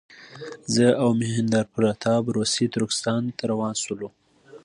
زه او مهیندراپراتاپ روسي ترکستان ته روان شولو.